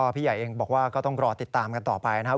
พี่ใหญ่เองบอกว่าก็ต้องรอติดตามกันต่อไปนะครับ